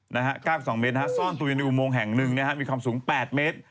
นะฮะ๙๒เมตรนะฮะซ่อนตัวอยู่ในอุโมงแห่งหนึ่งนะฮะมีความสูง๘เมตร